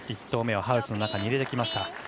１投目はハウスの中に入れてきました。